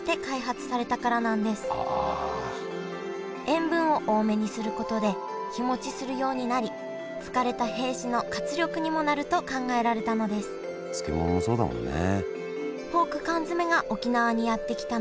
塩分を多めにすることで日もちするようになり疲れた兵士の活力にもなると考えられたのです漬物もそうだもんね。